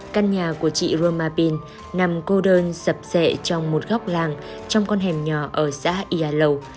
căn nhà của chị romapin nằm cô đơn sập sệ trong một góc làng trong con hẻm nhỏ ở xã yalow